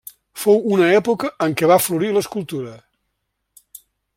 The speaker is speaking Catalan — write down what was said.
Fou una època en què va florir l'escultura.